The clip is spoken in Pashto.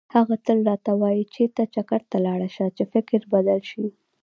هغه تل راته وایي چېرته چکر ته لاړ شه چې فکر بدل شي.